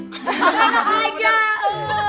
biar aja bu